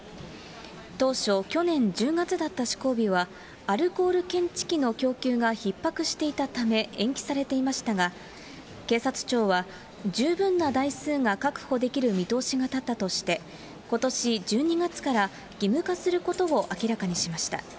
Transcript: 当初、去年１０月だった施行日は、アルコール検知器の供給がひっ迫していたため延期されていましたが、警察庁は、十分な台数が確保できる見通しが立ったとして、ことし１２月から義務化することを明らかにしました。